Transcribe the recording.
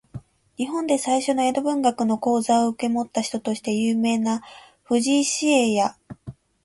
日本で最初の江戸文学の講座を受け持った人として有名な藤井紫影や、